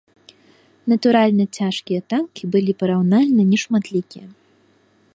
Натуральна цяжкія танкі былі параўнальна нешматлікія.